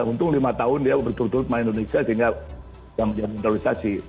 untung lima tahun dia berturut turut main indonesia sehingga kita menjalankan naturalisasi